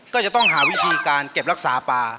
ก็จะต้องหาวิธีการเก็บรักษาป่า